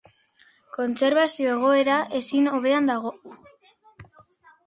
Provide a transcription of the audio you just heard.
Kontserbazio egoera ezin hobean dago.